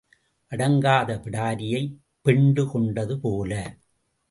அடங்காத பிடாரியைப் பெண்டு கொண்டது போல.